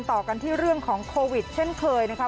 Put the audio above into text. ต่อกันที่เรื่องของโควิดเช่นเคยนะคะ